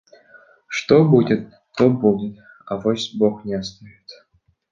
Что будет, то будет; авось бог не оставит.